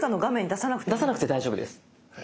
出さなくて大丈夫です。